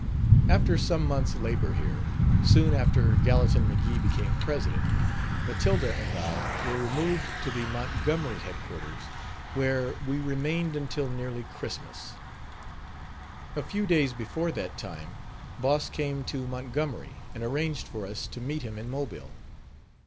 After some months labor here, soon after Gallatin McGee became president, Matilda and I were removed to the Montgomery headquarters, where we remained until nearly Christmas. A few days before that time, Boss came to Montgomery and arranged for us to meet him in Mobile.